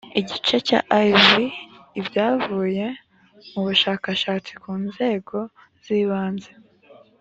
igice cya iv ibyavuye mu bushakashatsi ku nzego z ibanze.